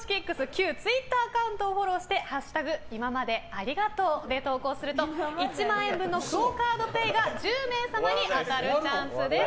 旧ツイッターアカウントをフォローして「＃今までありがとう」で投稿すると１万円分のＱＵＯカードＰａｙが１０名様に当たるチャンスです。